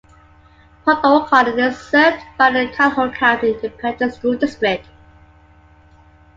Port O'Connor is served by the Calhoun County Independent School District.